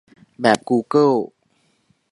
"แบบกูเกิล"